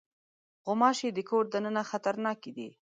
غوماشې د کور دننه خطرناکې دي.